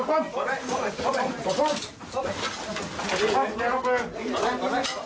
ตรงกล้อง